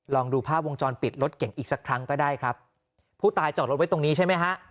ลองดูภาพวงจรปิดรถเก่งอีกสักครั้งก็ได้ครับผู้ตายจอดรถไว้ตรงนี้ใช่ไหมฮะ